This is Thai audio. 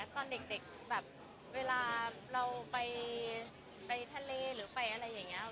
ตอนเด็กแบบเวลาเราไปทะเลหรือไปอะไรอย่างนี้